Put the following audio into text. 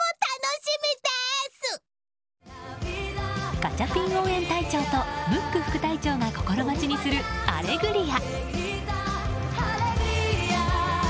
ガチャピン応援隊長とムック副隊長が心待ちにする「アレグリア」。